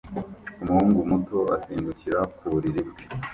Umuhungu muto asimbukira ku buriri bwe